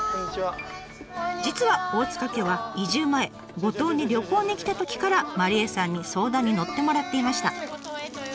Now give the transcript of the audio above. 実は大塚家は移住前五島に旅行に来たときから麻梨絵さんに相談に乗ってもらっていました。